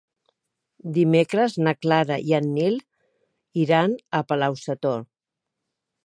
Dimecres na Clara i en Nil iran a Palau-sator.